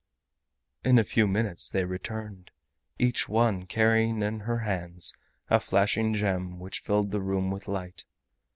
In a few minutes they returned, each one carrying in her hands a flashing gem which filled the room with light.